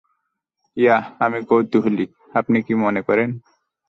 Yeah আমি কৌতূহলী, আপনি কি মনে করেন?